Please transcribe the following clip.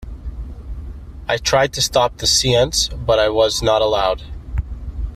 I had tried to stop the seance, but I was not allowed.